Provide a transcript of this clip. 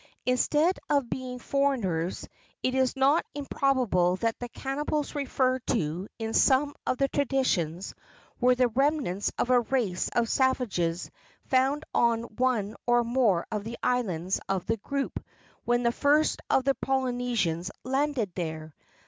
Instead of being foreigners, it is not improbable that the cannibals referred to in some of the traditions were the remnants of a race of savages found on one or more of the islands of the group when the first of the Polynesians landed there.